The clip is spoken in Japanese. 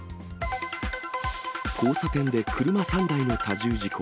交差点で車３台の多重事故。